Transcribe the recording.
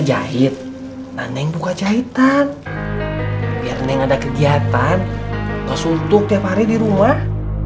jahit neng buka jahitan biar neng ada kegiatan nge suntuk tiap hari di rumah